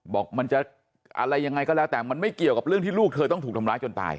บอกมันจะอะไรยังไงก็แล้วแต่มันไม่เกี่ยวกับเรื่องที่ลูกเธอต้องถูกทำร้ายจนตาย